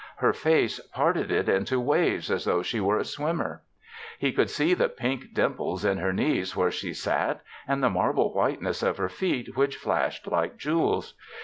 Her face parted it into waves as though she were a swimmer. He could see the pink dimples in her knees where she sat and the marble whiteness of her feet, which flashed like jewels.